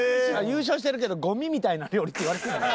優勝してるけどゴミみたいな料理っていわれてるもんな。